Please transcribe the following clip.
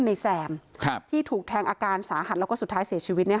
แซมที่ถูกแทงอาการสาหัสแล้วก็สุดท้ายเสียชีวิต